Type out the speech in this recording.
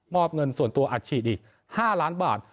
อบเงินส่วนตัวอัดฉีดอีก๕ล้านบาท